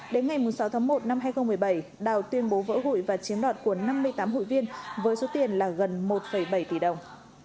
đến ngày sáu tháng một năm hai nghìn một mươi bảy đào tuyên bố vỡ hủy và chiếm đoạt cuốn năm mươi tám hụi viên với số tiền là gần một bảy tỷ đồng